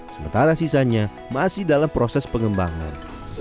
sementara sisanya masih dalam proses pengembangan